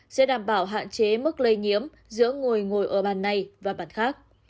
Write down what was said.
sẽ đảm bảo hạn chế mức lây nhiễm giữa người ngồi ở bàn này và bàn khác